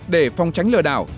để phòng tránh lừa đảo